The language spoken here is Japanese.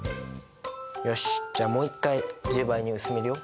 よしじゃあもう一回１０倍に薄めるよ。